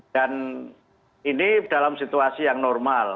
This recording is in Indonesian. dan ini dalam situasi yang normal